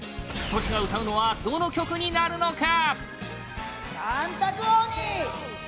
Ｔｏｓｈｌが歌うのはどの曲になるのか？